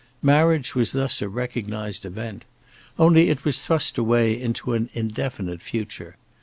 Marriage was thus a recognized event. Only it was thrust away into an indefinite future.